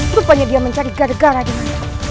rupanya dia mencari gara gara di sini